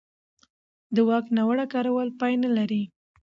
د واک ناوړه کارول پای نه لري